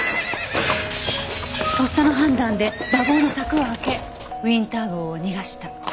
とっさの判断で馬房の柵を開けウィンター号を逃がした。